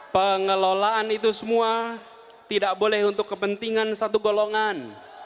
pengelolaan itu semua tidak boleh untuk kepentingan satu golongan